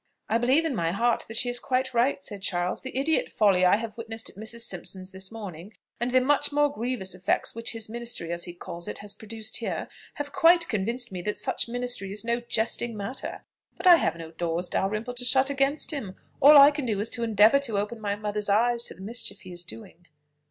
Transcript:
"I believe in my heart that she is quite right," said Charles: "the idiot folly I have witnessed at Mrs. Simpson's this morning; and the much more grievous effects which his ministry, as he calls it, has produced here, have quite convinced me that such ministry is no jesting matter. But I have no doors, Dalrymple, to shut against him; all I can do is to endeavour to open my mother's eyes to the mischief he is doing."